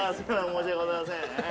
申し訳ございません。